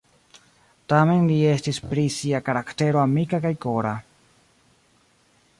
Tamen li estis pri sia karaktero amika kaj kora.